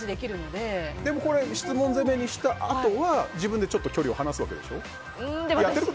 でもこれ質問攻めにしたあとは自分でちょっと距離を離すわけでしょ。